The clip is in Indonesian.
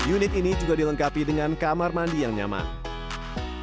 unit ini juga dilengkapi dengan kamar mandi yang nyaman